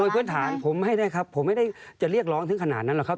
พื้นฐานผมให้ได้ครับผมไม่ได้จะเรียกร้องถึงขนาดนั้นหรอกครับ